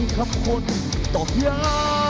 ครับคนตอบอย่าง